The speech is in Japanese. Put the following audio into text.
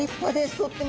とっても。